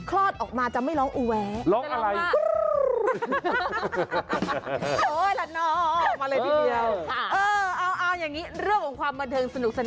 คลอดออกมาจะไม่ร้องอู๋แว